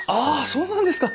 そうなんですか。